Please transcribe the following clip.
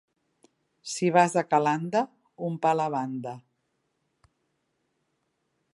Si vas a Calanda, un pa a la banda.